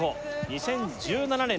２０１７年